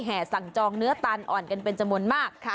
สั่งจองเนื้อตานอ่อนกันเป็นจำนวนมาก